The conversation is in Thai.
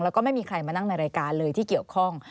แล้วก็ไม่มีใครมานั่งในรายการเลยที่เกี่ยวข้อง